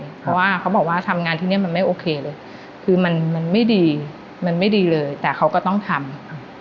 เพราะว่าเขาบอกว่าทำงานที่นี่มันไม่โอเคเลยคือมันไม่ดีมันไม่ดีเลยแต่เขาก็ต้องทำ